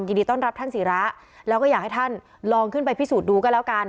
ยินดีต้อนรับท่านศิระแล้วก็อยากให้ท่านลองขึ้นไปพิสูจน์ดูก็แล้วกัน